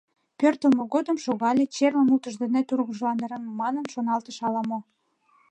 Пӧртылмӧ годым шогале, черлым утыждене тургыжландарем манын шоналтыш ала-мо.